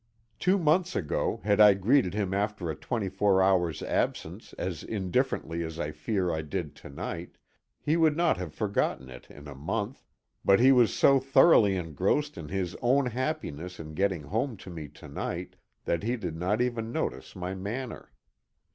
Two months ago, had I greeted him after a twenty four hours' absence as indifferently as I fear I did to night, he would not have forgotten it in a month, but he was so thoroughly engrossed in his own happiness in getting home to me to night, that he did not even notice my manner.